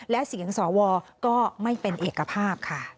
และเสียงสวก็ไม่เป็นเอกภาพค่ะ